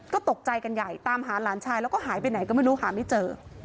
ก็ตกใจกันใหญ่ตามหาหลานชายแล้วก็หายไปไหนก็ไม่รู้หาไม่เจอ